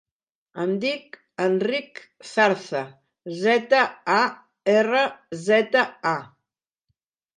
Em dic Enric Zarza: zeta, a, erra, zeta, a.